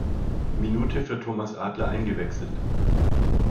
Minute für Thomas Adler eingewechselt.